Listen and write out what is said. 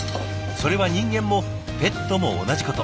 それは人間もペットも同じこと。